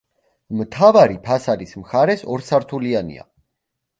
მთავარი ფასადის მხარეს ორსართულიანია.